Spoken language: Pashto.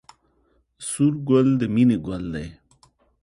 سور ګل د مینې ګل دی